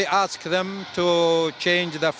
kami meminta mereka untuk mengubah lantai